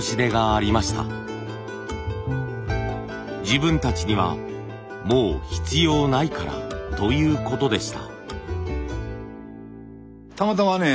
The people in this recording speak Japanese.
自分たちにはもう必要ないからということでした。